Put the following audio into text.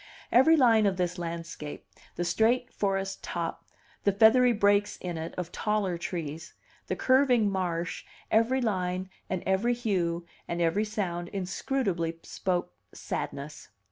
Every line of this landscape, the straight forest top, the feathery breaks in it of taller trees, the curving marsh, every line and every hue and every sound inscrutably spoke sadness.